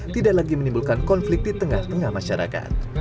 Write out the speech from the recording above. tidak lagi menimbulkan konflik di tengah tengah masyarakat